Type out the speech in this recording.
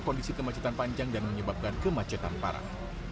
kondisi kemacetan panjang dan menyebabkan kemacetan parah